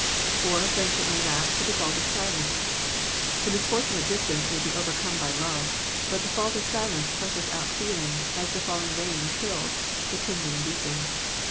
Or friendship may lapse through the fault of silence. The misfortune of dis tance may be overcome by love, but the fault of silence crushes out feeling as the falling rain kills the kindling beacon.